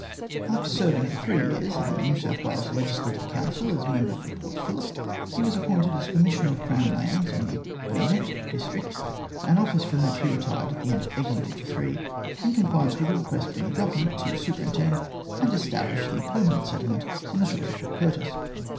After serving for three years in the New South Wales Legislative Council as Member for Port Phillip, he was appointed a Commissioner of Crown Lands in the Burnett district, an office from which he retired at the end of 1853 in compliance with a request from the Government to superintend and establish the permanent settlement on the shores of Port Curtis.